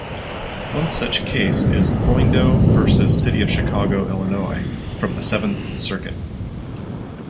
One such case is "Biondo versus City of Chicago, Illinois", from the Seventh Circuit.